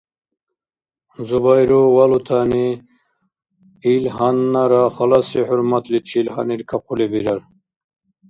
Зубайру валутани ил гьаннара халаси хӀурматличил гьаниркахъули бирар.